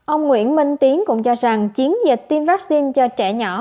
ông nguyễn minh tiến cũng cho rằng chiến dịch tiêm vaccine cho trẻ nhỏ